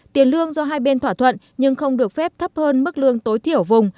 tiền lương do hai bên thỏa thuận nhưng không được phép thấp hơn mức lương tối thiểu vùng